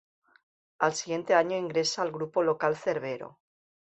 Al siguiente año ingresa al grupo local Cerbero.